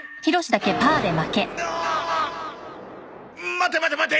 待て待て待て！